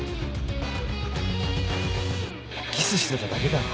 キスしてただけだろ。